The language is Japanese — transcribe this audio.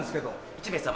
１名様。